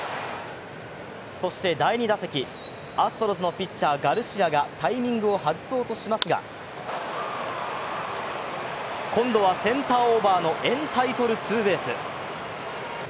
そして第２打席、アストロズのピッチャーがタイミングを外そうとしますが、今度はセンターオーバーのエンタイトルツーベース。